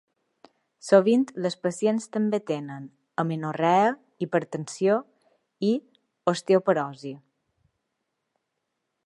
Sovint, les pacients també tenen amenorrea, hipertensió i osteoporosi.